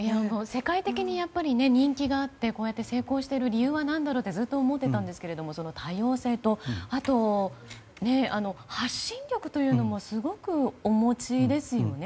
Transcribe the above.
世界的に人気があってこうやって成功している理由は何だろうとずっと思っていたんですがその多様性とあと、発信力というのもすごくお持ちですよね。